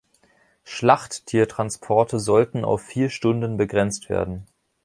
Schlachttiertransporte sollten auf vier Stunden begrenzt werden.